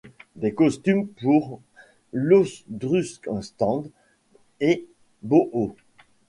Des costumes pour l'Ausdruckstanz et Bauhaus.